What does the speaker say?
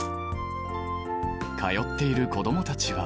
通っている子どもたちは。